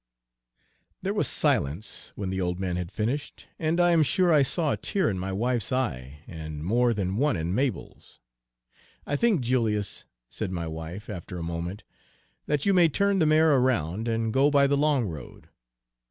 There was silence when the old man had finished, and I am sure I saw a tear in my wife's eye, and more than one in Mabel's. "I think, Julius," said my wife, after a moment, "that you may turn the mare around and go by the long road."